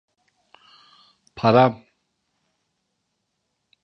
Param!